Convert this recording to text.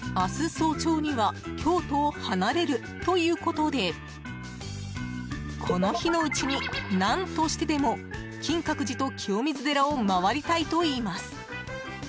早朝には京都を離れるということでこの日のうちに、何としてでも金閣寺と清水寺を回りたいといいます。